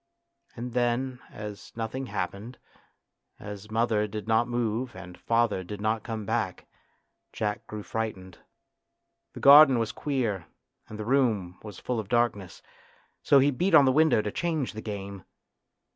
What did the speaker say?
And then as nothing happened, as mother did not move and father did not come back, Jack grew frightened. The garden was queer and the room was full of darkness, so he beat on the window to change the game.